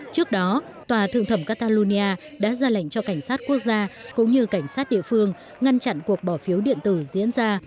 trước đó tòa thượng thẩm catalonia đã ra lệnh cho cảnh sát quốc gia cũng như cảnh sát địa phương ngăn chặn cuộc bỏ phiếu điện tử diễn ra